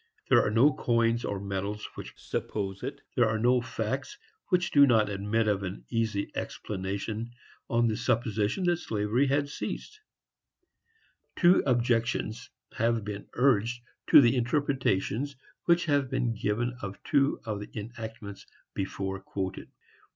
There are no coins or medals which suppose it. There are no facts which do not admit of an easy explanation on the supposition that slavery had ceased.—Inquiry, &c., p. 226. Two objections have been urged to the interpretations which have been given of two of the enactments before quoted.